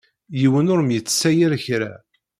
Yiwen ur m-yettsayal kra.